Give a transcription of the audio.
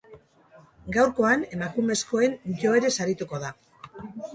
Gaurkoan, emakumezkoen joerez arituko da.